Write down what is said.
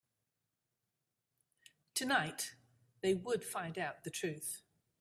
Tonight, they would find out the truth.